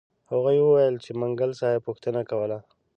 هغوی وویل چې منګل صاحب پوښتنه کوله.